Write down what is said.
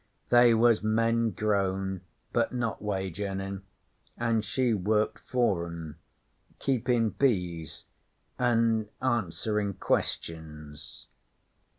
They was men grown, but not wage earnin', an' she worked for 'em, keepin' bees and answerin' Questions.'